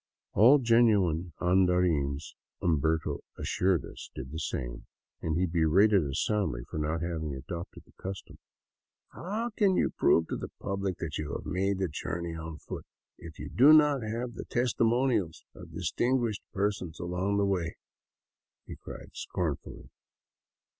All genuine " andarines," Umberto assured us, did the same, and he berated us soundly for not having adopted the custom. " How can you prove to the public that you have made the journey on foot, if you do not have the testimonials of distinguished persons along the way?" he cried, scornfully.